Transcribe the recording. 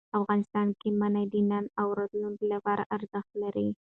افغانستان کې منی د نن او راتلونکي لپاره ارزښت لري.